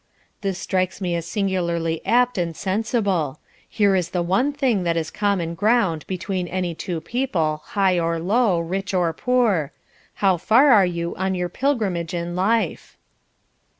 This strikes me as singularly apt and sensible. Here is the one thing that is common ground between any two people, high or low, rich or poor how far are you on your pilgrimage in life?